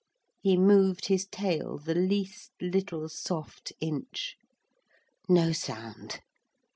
He moved his tail the least little soft inch. No sound.